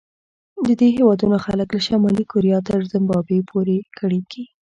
د دې هېوادونو خلک له شمالي کوریا تر زیمبابوې پورې کړېږي.